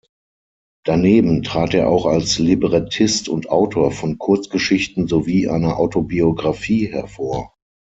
Daneben trat er auch als Librettist und Autor von Kurzgeschichten sowie einer Autobiographie hervor.